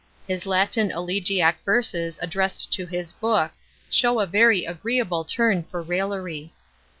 His Latin elegiac verses addressed to his book, shew a very agreeable turn for raillery.